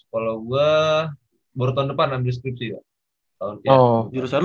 kalau gue baru tahun depan ambil deskripsi ya tahun ini